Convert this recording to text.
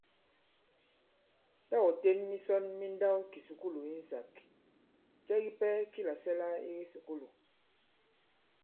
Tâ ɔ̀ ten misɔn mi nndawkìsùkulù insāk, cɛ kipɛ ki làsɛ̀la i kisùkulù ?